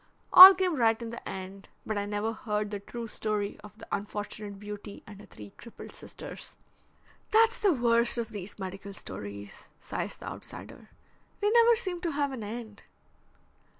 All came right in the end, but I never heard the true story of the unfortunate beauty and her three crippled sisters." "That's the worst of these medical stories," sighs the outsider. "They never seem to have an end."